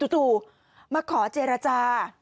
จู่มาขอเจรจา